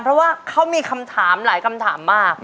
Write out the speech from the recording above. เพราะว่าเขามีคำถามหลายคำถามมาก